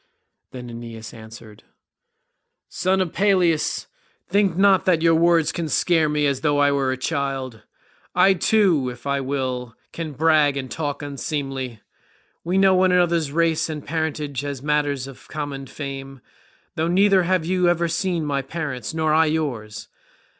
Then Aeneas answered, "Son of Peleus, think not that your words can scare me as though I were a child. I too, if I will, can brag and talk unseemly. We know one another's race and parentage as matters of common fame, though neither have you ever seen my parents nor I yours.